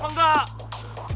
tidak tahu boy